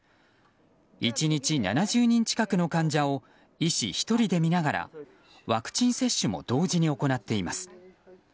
１日７０人近くの患者を医師１人で診ながらワクチン接種も同時に行っています。